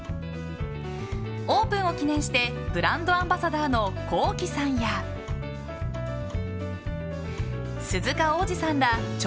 オープンを記念してブランドアンバサダーのＫｏｋｉ，さんや鈴鹿央士さんら著